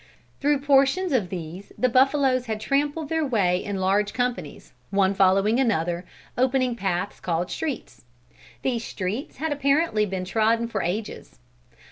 Through portions of these the buffaloes had trampled their way in large companies, one following another, opening paths called streets. These streets had apparently been trodden for ages.